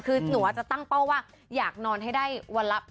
คือหนูอาจจะตั้งเป้าว่าอยากนอนให้ได้วันละ